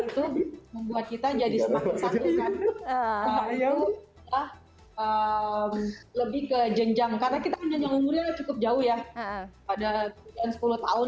itu membuat kita jadi lebih ke jenjang karena kita cukup jauh ya ada sepuluh tahun